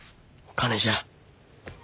金じゃ。